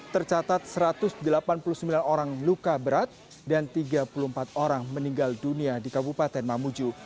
tercatat satu ratus delapan puluh sembilan orang luka berat dan tiga puluh empat orang meninggal dunia di kabupaten mamuju